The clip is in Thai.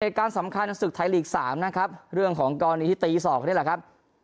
เศรษฐ์ในการสำคัญสศึกไทยลีกสามนะครับเรื่องของกรณีธีตี๒นี่แหละครับ